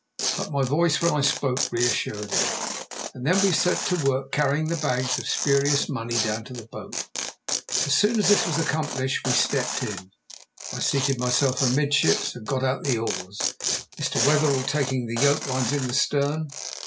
But my voice, when I spoke, reassured him, and then we set to work carrying the bags of spurious money down to the boat. As soon as this was accomplished we stepped in. I seated myself amid ships and got out the oars, Mr. Wetherell taking the yoke lines in the stern.